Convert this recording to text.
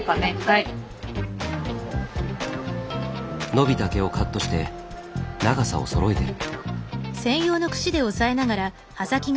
伸びた毛をカットして長さをそろえてる。